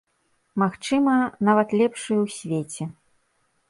Магчыма, нават, лепшую ў свеце.